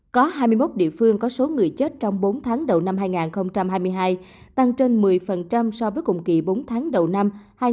có hai mươi một địa phương có số người chết trong bốn tháng đầu năm hai nghìn hai mươi hai tăng trên một mươi so với cùng kỳ bốn tháng đầu năm hai nghìn hai mươi ba